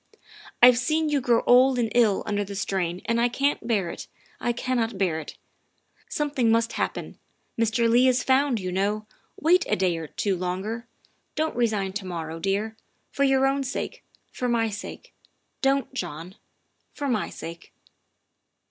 I've seen you grow old and ill under the strain and I can't bear it I can't bear it. Something must happen Mr. Leigh is found, you know. Wait a day or two longer. Don't resign to morrow, THE WIFE OF dear. For your own sake, for my sake, don't, John for my sake.